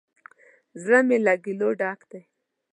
زړه می له ګیلو ډک دی